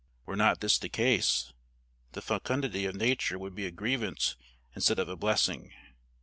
Were not this the case, the fecundity of nature would be a grievance instead of a blessing.